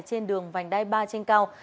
trên đường vành đai ba trên cao